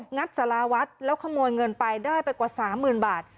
สาราวัดแล้วขโมยเงินไปได้ไปกว่า๓๐๐๐บาท